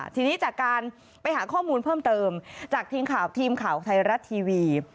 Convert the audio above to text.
ทีนี้จากการไปหาข้อมูลเพิ่มเติมจากทีมข่าวทีมข่าวไทยรัฐทีวี